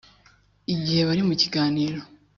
igihe bari mu kiganiro